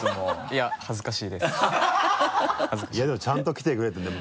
いやでもちゃんと来てくれた。